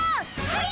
はい！